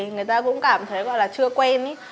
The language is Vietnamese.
người ta cũng cảm thấy gọi là chưa quen